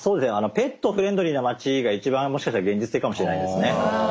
ペットフレンドリーな街が一番もしかしたら現実的かもしれないですね。